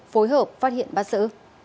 phối hợp phát hiện bắt xử